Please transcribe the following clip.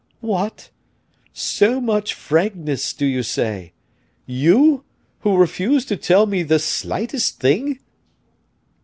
"What! so much frankness, do you say? you, who refuse to tell me the slightest thing?"